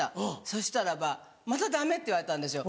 そしたらばまたダメって言われたんですよ。